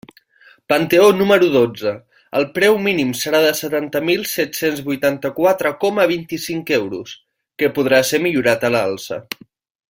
Panteó número dotze: el preu mínim serà de setanta mil set-cents vuitanta-quatre coma vint-i-cinc euros, que podrà ser millorat a l'alça.